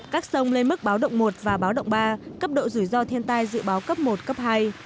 các sông lên mức báo động một và báo động ba cấp độ rủi ro thiên tai dự báo cấp một cấp hai